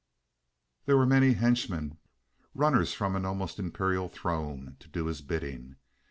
There were many henchmen—runners from an almost imperial throne—to do his bidding.